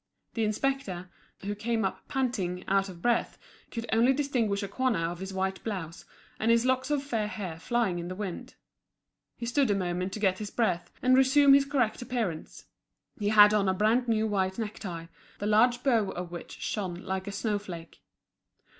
The inspector, who came up panting, out of breath, could only distinguish a corner of his white blouse, and his locks of fair hair flying in the wind. He stood a moment to get his breath, and resume his correct appearance. He had on a brand new white necktie, the large bow of which shone like a snow flake.